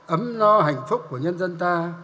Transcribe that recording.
ấm no hạnh phúc của nhân dân ta